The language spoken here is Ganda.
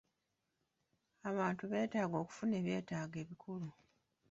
Abantu beetaaga okufuna eby'etaago ebikulu.